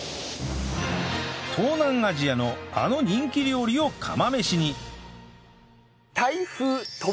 東南アジアのあの人気料理を釜飯にはあ！